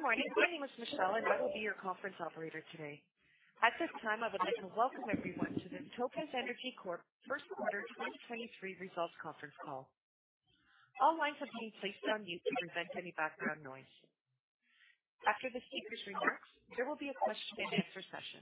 Good morning. My name is Michelle, and I will be your conference operator today. At this time, I would like to welcome everyone to the Topaz Energy Corp First Quarter 2023 Results Conference Call. All lines have been placed on mute to prevent any background noise. After the speaker's remarks, there will be a question and answer session.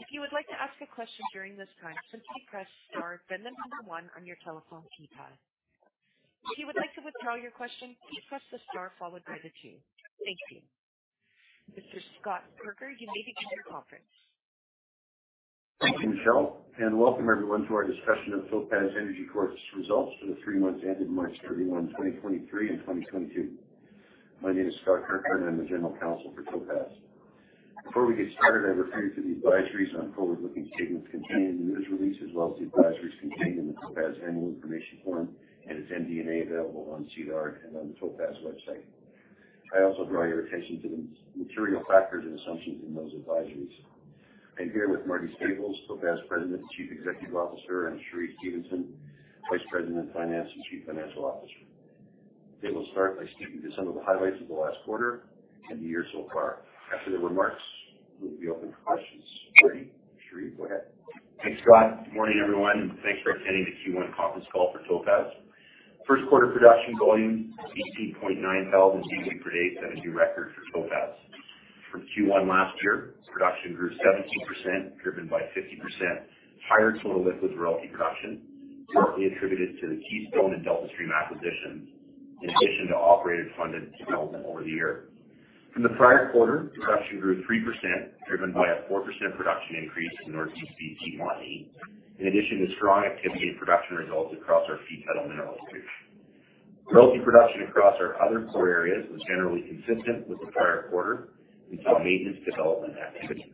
If you would like to ask a question during this time, simply press star, then the 1 on your telephone keypad. If you would like to withdraw your question, please press the star followed by the 2. Thank you. Mr. Scott Kirker, you may begin your conference. Thank you, Michelle, and welcome everyone to our discussion of Topaz Energy Corp's results for the 3 months ended March 31, 2023 and 2022. My name is Scott Kirker, and I'm the General Counsel for Topaz. Before we get started, I refer you to the advisories on forward-looking statements contained in the news release, as well as the advisories contained in the Topaz Annual Information Form and its MD&A available on SEDAR and on the Topaz website. I also draw your attention to the material factors and assumptions in those advisories. I'm here with Marty Staples, Topaz President and Chief Executive Officer, and Cheree Stevenson, Vice President, Finance, and Chief Financial Officer. They will start by speaking to some of the highlights of the last quarter and the year so far. After their remarks, we'll be open for questions. Marty, Cheree, go ahead. Thanks, Scott. Good morning, everyone, thanks for attending the Q1 conference call for Topaz. First quarter production volume, 18.9 thousand BOE per day set a new record for Topaz. From Q1 last year, production grew 17%, driven by 50% higher total liquids royalty production, partly attributed to the Keystone and Deltastream acquisitions, in addition to operated funded development over the year. From the prior quarter, production grew 3%, driven by a 4% production increase in Northeast BC Montney. In addition to strong activity and production results across our fee title mineral position. Royalty production across our other core areas was generally consistent with the prior quarter and saw maintenance development activity.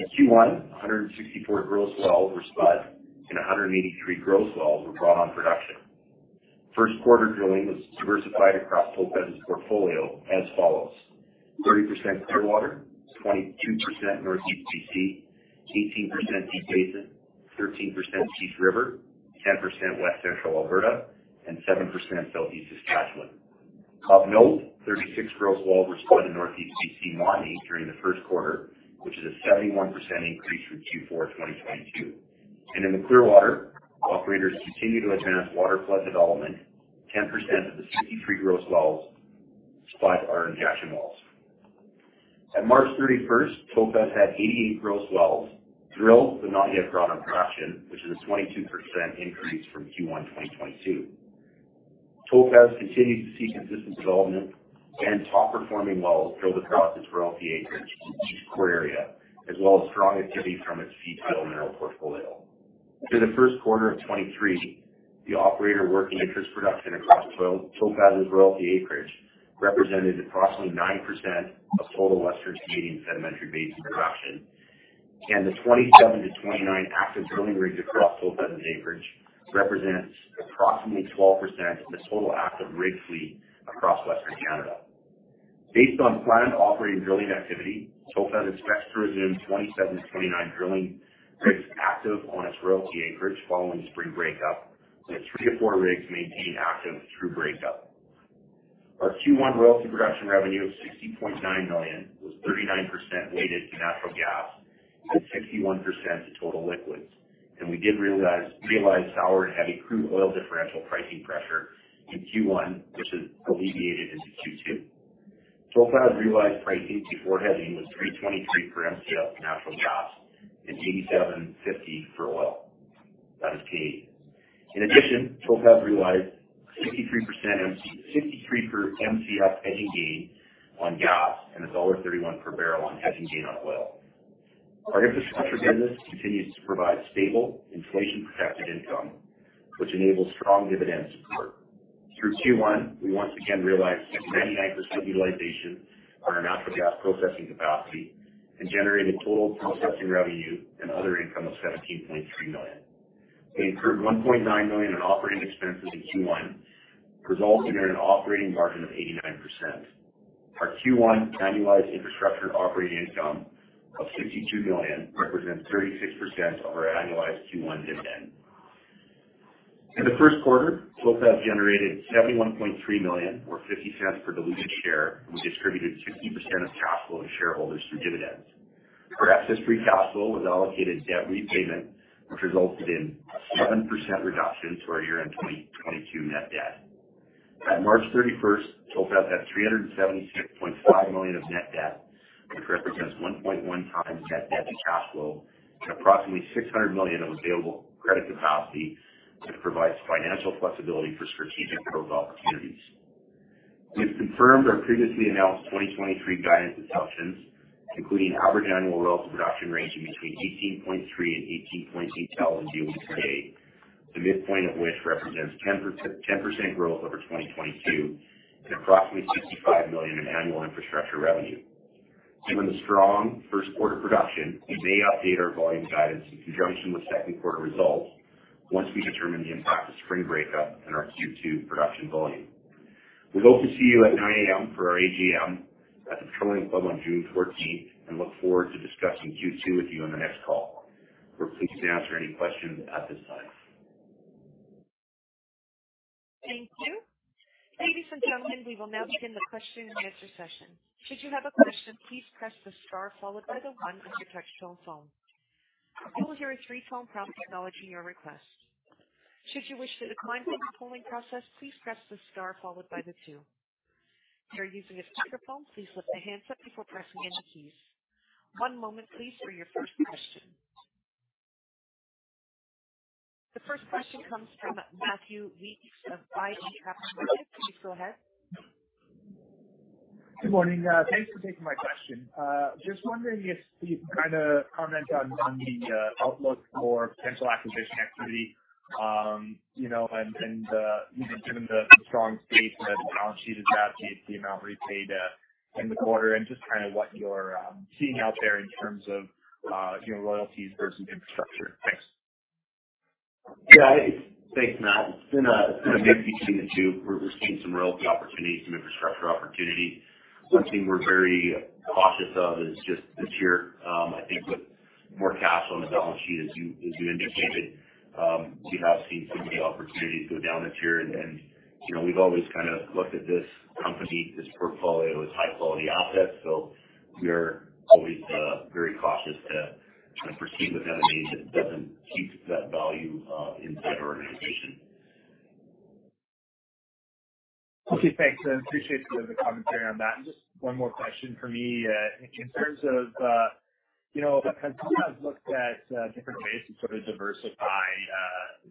In Q1, 164 gross wells were spud, and 183 gross wells were brought on production. First quarter drilling was diversified across Topaz's portfolio as follows: 30% Clearwater, 22% Northeast BC, 18% Deep Basin, 13% Peace River, 10% West Central Alberta, and 7% Southeast Saskatchewan. Of note, 36 gross wells were spud in Northeast BC Montney during the first quarter, which is a 71% increase from Q4 2022. In the Clearwater, operators continue to advance waterflood development. 10% of the 63 gross wells spud are injection wells. At March 31st, Topaz had 88 gross wells drilled but not yet brought on production, which is a 22% increase from Q1 2022. Topaz continued to see consistent development and top performing wells drilled across its royalty acreage in each core area, as well as strong activity from its fee title mineral portfolio. Through the first quarter of 2023, the operator working interest production across Topaz's royalty acreage represented approximately 9% of total Western Canadian Sedimentary Basin production, and the 27-29 active drilling rigs across Topaz's acreage represents approximately 12% of the total active rig fleet across Western Canada. Based on planned operating drilling activity, Topaz expects to resume 27-29 drilling rigs active on its royalty acreage following spring breakup, with 3-4 rigs maintained active through breakup. Our Q1 royalty production revenue of 60.9 million was 39% weighted to natural gas and 61% to total liquids, and we did realize sour and heavy crude oil differential pricing pressure in Q1, which has alleviated into Q2. Topaz realized pricing before hedging was 3.23 per Mcf of natural gas and 87.50 for oil. That is paid. Topaz realized 0.63 per Mcf hedging gain on gas and dollar 1.31 per barrel on hedging gain on oil. Our infrastructure business continues to provide stable, inflation protected income, which enables strong dividend support. Through Q1, we once again realized 99% utilization on our natural gas processing capacity and generated total processing revenue and other income of 17.3 million. We improved 1.9 million in operating expenses in Q1, resulting in an operating margin of 89%. Our Q1 annualized infrastructure operating income of 62 million represents 36% of our annualized Q1 dividend. First quarter, Topaz generated 71.3 million or 0.50 per diluted share, we distributed 50% of capital to shareholders through dividends. Our excess free cash flow was allocated to debt repayment, which resulted in 7% reduction to our year-end 2022 net debt. At March 31st, Topaz had 376.5 million of net debt, which represents 1.1x net debt to cash flow and approximately 600 million of available credit capacity, which provides financial flexibility for strategic growth opportunities. We have confirmed our previously announced 2023 guidance assumptions, including average annual royalty production ranging between 18.3-18.8 thousand BOE per day, the midpoint of which represents 10% growth over 2022 and approximately 65 million in annual infrastructure revenue. Given the strong first quarter production, we may update our volume guidance in conjunction with second quarter results once we determine the impact of spring breakup on our Q2 production volume. We hope to see you at 9:00 A.M. for our AGM, Calgary Petroleum Club on June 14th, and look forward to discussing Q2 with you on the next call. We're pleased to answer any questions at this time. Thank you. Ladies and gentlemen, we will now begin the question-and-answer session. Should you have a question, please press the star followed by the 1 on your touch-tone phone. You will hear a 3-tone prompt acknowledging your request. Should you wish to decline from the polling process, please press the star followed by the 2. If you're using a speakerphone, please lift the handset before pressing any keys. One moment please for your first question. The first question comes from Matthew Weekes of iA Capital Markets. Please go ahead. Good morning. Thanks for taking my question. Just wondering if you could kinda comment on the outlook for potential acquisition activity, you know, and, you know, given the strong state of the balance sheet as of last week, the amount repaid in the quarter, and just kinda what you're seeing out there in terms of, you know, royalties versus infrastructure? Thanks. Yeah. Thanks, Matt. It's been a mix between the two. We're seeing some royalty opportunity, some infrastructure opportunity. One thing we're very cautious of is just this year, I think with more cash on the balance sheet, as you indicated, we have seen some of the opportunities go down this year. you know, we've always kind of looked at this company, this portfolio as high quality assets. We're always very cautious to kind of proceed with M&A that doesn't keep that value inside our organization. Okay, thanks. I appreciate the commentary on that. Just one more question from me. In terms of, you know, has Topaz looked at different ways to sort of diversify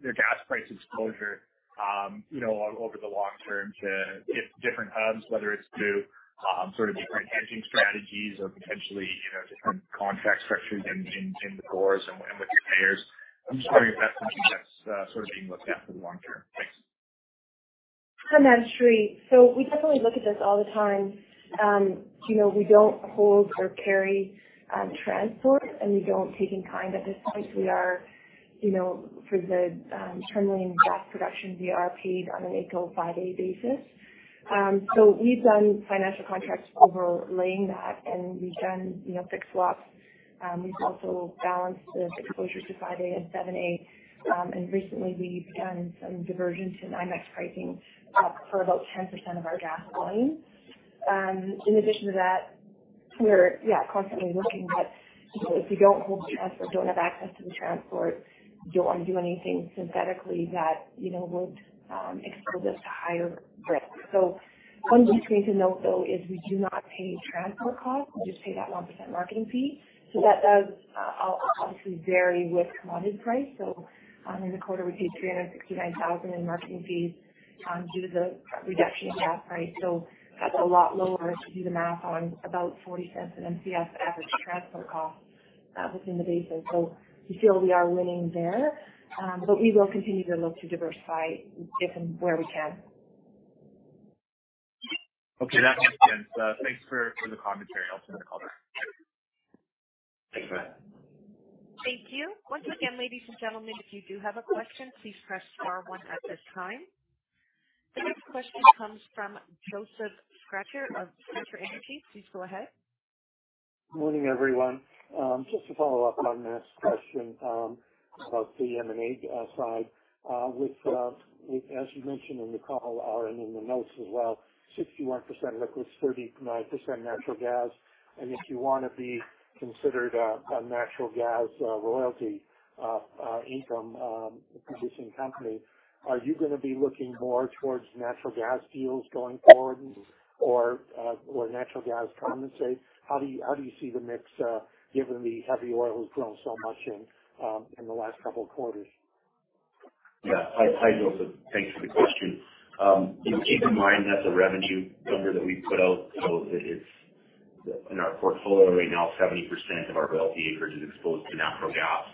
their gas price exposure, you know, over the long term to get different hubs, whether it's through sort of different hedging strategies or potentially, you know, different contract structures in the cores and with your payers? I'm just wondering if that's something that's sort of being looked at for the long term. Thanks. Hi, Matt, sure. We definitely look at this all the time. You know, we don't hold or carry transport, and we don't take in kind at this point. We are, you know, for the Tourmaline gas production, we are paid on an AECO 5A basis. We've done financial contracts overlaying that, and we've done, you know, fixed swaps. We've also balanced the exposures to 5A and 7A. Recently we've done some diversion to NYMEX pricing for about 10% of our gas volume. In addition to that, we're, yeah, constantly looking, but, you know, if you don't hold transport, don't have access to the transport, you don't wanna do anything synthetically that, you know, would expose us to higher risk. One thing just to note, though, is we do not pay transport costs. We just pay that 1% marketing fee. That does obviously vary with commodity price. In the quarter we paid 369,000 in marketing fees due to the reduction in gas price. That's a lot lower, if you do the math, on about 0.40 an Mcf average transport cost within the basis. You feel we are winning there. But we will continue to look to diversify if and where we can. Okay. That makes sense. Thanks for the commentary. I'll send the call back. Thanks, Matt. Thank you. Once again, ladies and gentlemen, if you do have a question, please press star one at this time. The next question comes from Josef Schachter of Schachter Energy Research. Please go ahead. Morning, everyone. Just to follow up on Matt's question about the M&A side. With as you mentioned in the call and in the notes as well, 61% liquids, 39% natural gas. If you wanna be considered a natural gas royalty income producing company, are you gonna be looking more towards natural gas deals going forward or natural gas condensate? How do you, how do you see the mix given the heavy oil has grown so much in the last couple of quarters? Hi, Josef. Thanks for the question. You know, keep in mind that's a revenue number that we put out. In our portfolio right now, 70% of our royalty acreage is exposed to natural gas.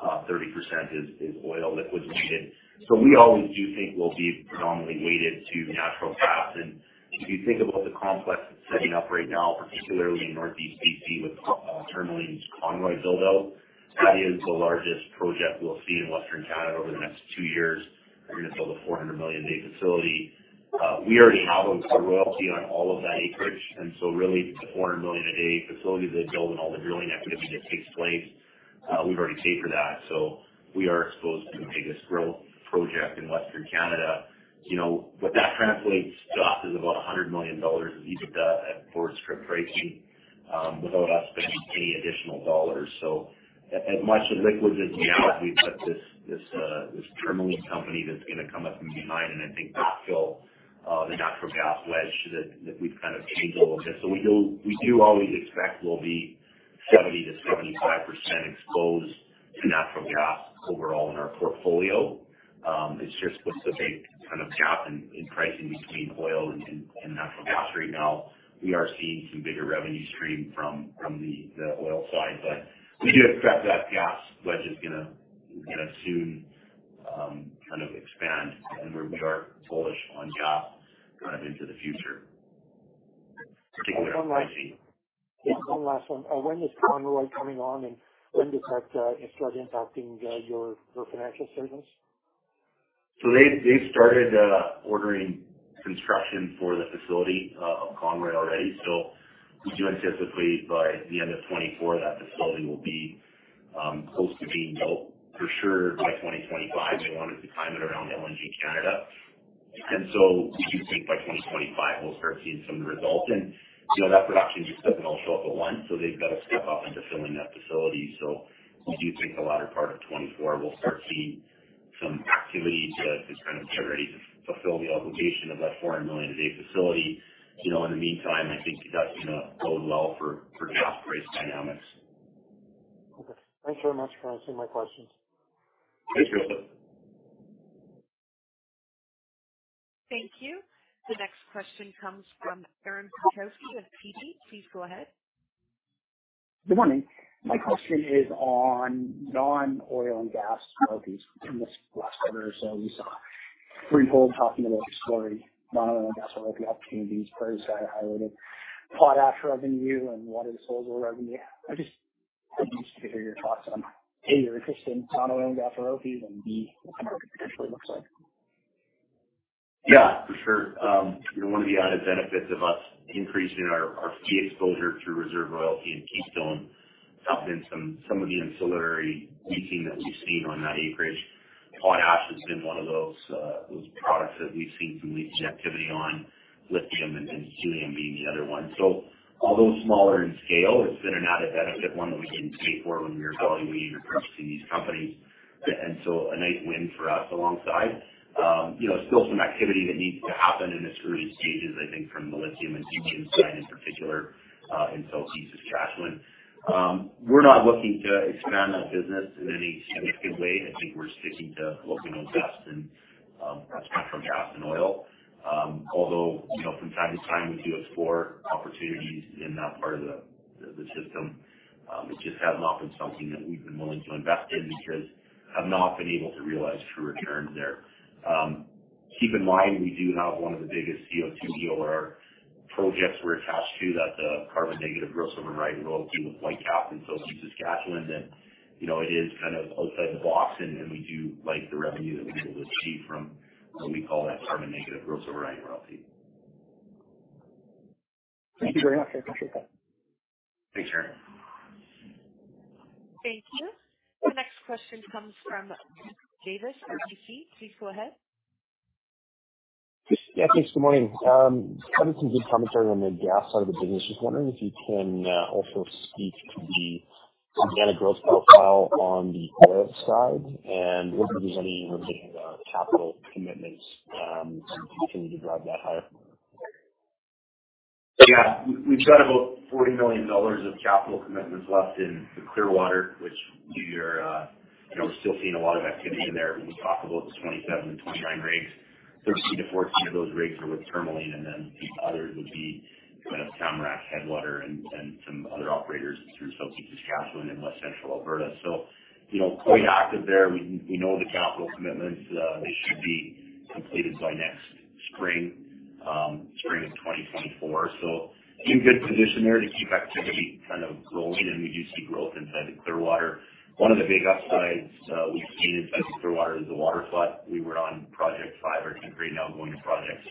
30% is oil, liquids weighted. We always do think we'll be predominantly weighted to natural gas. If you think about the complex that's setting up right now, particularly in Northeast BC with Tourmaline's Conroy build-out, that is the largest project we'll see in Western Canada over the next 2 years. They're gonna build a 400 million day facility. We already have a royalty on all of that acreage. Really the 400 million a day facility they build and all the drilling activity that takes place, we've already paid for that. We are exposed to the biggest growth project in Western Canada. You know, what that translates to us is about 100 million dollars of EBITDA at forward strip pricing, without us spending any additional dollars. As much as liquids is now, we've got this Tourmaline company that's gonna come up from behind, and I think that'll fill the natural gas wedge that we've kind of gave a little bit. We do always expect we'll be 70%-75% exposed to natural gas overall in our portfolio. It's just with the big kind of gap in pricing between oil and natural gas right now, we are seeing some bigger revenue stream from the oil side. We do expect that gas wedge is gonna soon kind of expand. We are bullish on gas going into the future, particularly with Conroy. Yeah, one last one. When is Conroy coming on, and when does that start impacting, your financial statements? They started ordering construction for the facility up Conroy already. We do anticipate by the end of 2024 that facility will be close to being built for sure by 2025. They wanted to time it around LNG Canada. We do think by 2025 we'll start seeing some results. You know, that production just doesn't all show up at once, so they've got to step up into filling that facility. We do think the latter part of 2024 we'll start seeing some activity to kind of get ready to fulfill the obligation of that 400 million a day facility. You know, in the meantime, I think that's gonna bode well for gas price dynamics. Okay. Thanks very much for answering my questions. Thanks, Josef. Thank you. The next question comes from Aaron Bilkoski of TD. Please go ahead. Good morning. My question is on non-oil and gas royalties. In this last quarter or so, we saw Freehold talking about exploring non-oil and gas royalty opportunities, PrairieSky, highlighting potash revenue and water disposal revenue. I'd be interested to hear your thoughts on, A, your interest in non-oil and gas royalties, and B, what that market potentially looks like. Yeah, for sure. You know, one of the added benefits of us increasing our fee exposure through reserve royalty and Keystone, tapping some of the ancillary leasing that we've seen on that acreage. Potash has been one of those products that we've seen some leasing activity on, lithium and helium being the other one. Although smaller in scale, it's been an added benefit, one that we didn't pay for when we were evaluating or purchasing these companies. A nice win for us alongside. You know, still some activity that needs to happen in its early stages, I think, from the lithium and helium side in particular, in southeast Saskatchewan. We're not looking to expand that business in any significant way. I think we're sticking to what we know best, and that's natural gas and oil. Although, you know, from time to time we do explore opportunities in that part of the system, it just hasn't been something that we've been willing to invest in because have not been able to realize true returns there. Keep in mind, we do have one of the biggest CO2 EOR projects we're attached to, that's a carbon negative gross overriding royalty with Whitecap in southeast Saskatchewan. You know, it is kind of outside the box and we do like the revenue that we're able to achieve from what we call that carbon negative gross overriding royalty. Thank you very much. I appreciate that. Thanks, Aaron. Thank you. The next question comes from Davis, RBC. Please go ahead. Yes. Yeah, thanks. Good morning. Heard some good commentary on the gas side of the business. Just wondering if you can also speak to the organic growth profile on the oil side, and whether there's any limiting capital commitments to continue to drive that higher? Yeah. We've got about 40 million dollars of capital commitments left in the Clearwater, which we are, you know, we're still seeing a lot of activity in there. When we talk about the 27 and 29 rigs, 13-14 of those rigs are with Tourmaline, the others would be kind of Tamarack, Headwater, and some other operators through southeast Saskatchewan and west central Alberta. You know, quite active there. We know the capital commitments. They should be completed by next spring of 2024. In good position there to keep activity kind of growing, and we do see growth inside of Clearwater. One of the big upsides we've seen inside the Clearwater is the waterflood. We were on project 5 or 10, grade now going to project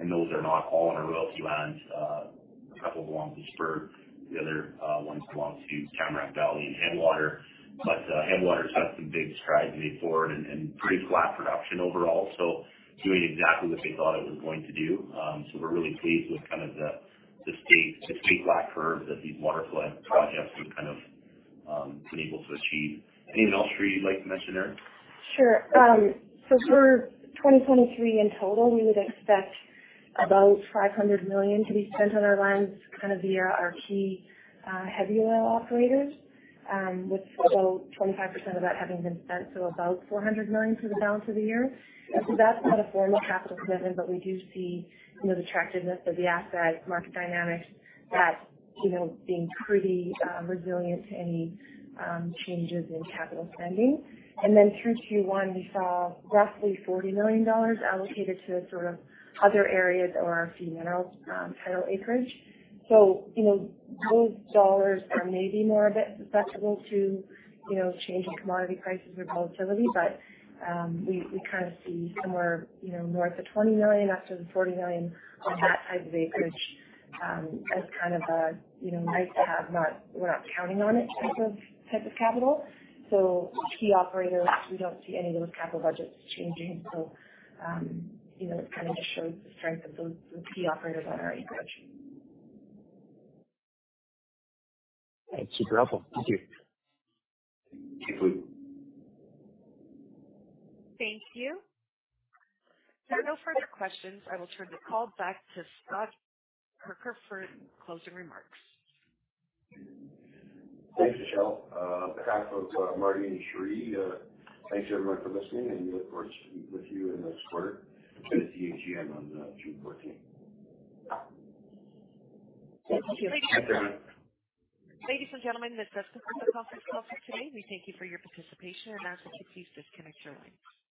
6. Those are not all on our royalty land. a couple belong to Spur. The other ones belong to Tamarack Valley and Headwater. Headwater's had some big strides made forward and pretty flat production overall. doing exactly what they thought it was going to do. we're really pleased with kind of the steep, the steep flat curves that these waterflood projects have kind of, been able to achieve. Anything else, Cheree, you'd like to mention there? Sure. For 2023 in total, we would expect about 500 million to be spent on our lands, kind of via our key heavy oil operators, with about 25% of that having been spent, so about 400 million for the balance of the year. That's not a formal capital commitment, but we do see, you know, the attractiveness of the asset market dynamics that, you know, being pretty resilient to any changes in capital spending. Through Q1, we saw roughly 40 million dollars allocated to sort of other areas or our fee mineral title acreage. You know, those dollars are maybe more a bit susceptible to, you know, changing commodity prices or volatility. We kind of see somewhere, you know, north of 20 million after the 40 million on that type of acreage, as kind of a, you know, nice to have, not we're-not-counting-on-it type of capital. Key operators, we don't see any of those capital budgets changing. You know, it kind of just shows the strength of those key operators on our acreage. Okay. Super helpful. Thank you. Thank you. Thank you. If there are no further questions, I will turn the call back to Scott Kirker for closing remarks. Thanks, Michelle. On behalf of Marty and Cherie, thanks everyone for listening, and we look forward to speaking with you in the next quarter at the AGM on June 14th. Thank you. Thanks, everyone. Ladies and gentlemen, this does conclude the conference call for today. We thank you for your participation, and now you can please disconnect your lines.